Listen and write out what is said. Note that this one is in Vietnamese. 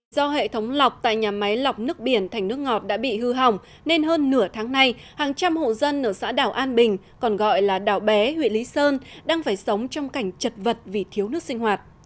do hệ thống lọc tại nhà máy lọc nước biển thành nước ngọt đã bị hư hỏng nên hơn nửa tháng nay hàng trăm hộ dân ở xã đảo an bình còn gọi là đảo bé huyện lý sơn đang phải sống trong cảnh chật vật vì thiếu nước sinh hoạt